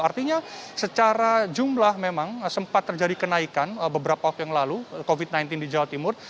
artinya secara jumlah memang sempat terjadi kenaikan beberapa waktu yang lalu covid sembilan belas di jawa timur